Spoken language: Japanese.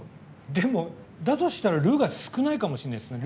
でも、だとしたら「ル」が少ないかもしれないですね。